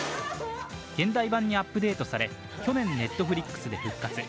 現代版にアップデートされ去年、Ｎｅｔｆｌｉｘで復活。